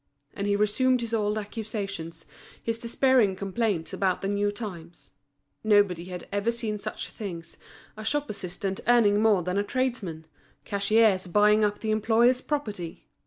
And he resumed his old accusations, his despairing complaints about the new times; nobody had ever seen such things, a shop assistant earning more than a tradesman, cashiers buying up the employers' property.